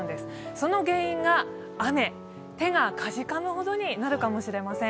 その原因が雨、手がかじかむほどになるかもしれません。